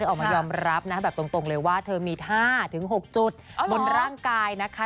ออกมายอมรับนะแบบตรงเลยว่าเธอมี๕๖จุดบนร่างกายนะคะ